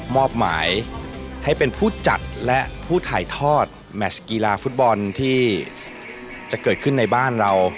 มอบหมายให้เป็นผู้จัดและผู้ถ่ายทอดแมชกีฬาฟุตบอลที่จะเกิดขึ้นในบ้านเรา